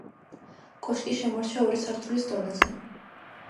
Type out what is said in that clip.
კოშკი შემორჩა ორი სართულის დონეზე.